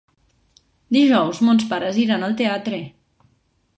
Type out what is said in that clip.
Dijous mons pares iran al teatre.